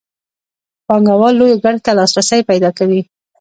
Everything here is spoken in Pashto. پانګوال لویو ګټو ته لاسرسی پیدا کوي